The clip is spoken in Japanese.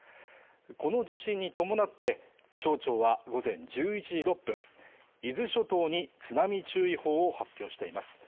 この地震に伴って気象庁は午前１１時６分伊豆諸島に津波注意報を発表しています